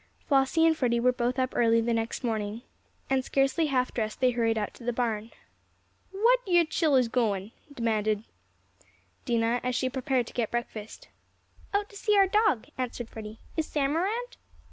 Flossie and Freddie were both up early the next morning, and, scarcely halfdressed, they hurried out to the barn. "Whar yo' chillers gwine?" demanded Dinah, as she prepared to get breakfast. "Out to see our dog," answered Freddie. "Is Sam around?"